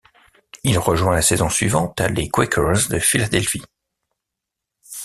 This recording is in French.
Il rejoint la saison suivante les Quakers de Philadelphie.